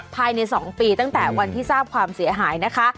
ภายใน๒ปีตั้งแต่วันที่ทราบความเสียหายนะคะ